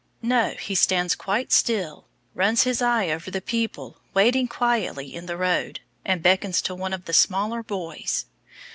No, he stands quite still, runs his eye over the people waiting quietly in the road, and beckons to one of the smaller boys.